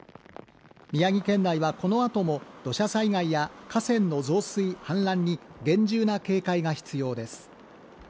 宮城県内はこのあとも土砂災害や河川の増水・氾濫に厳重な警戒が必要です。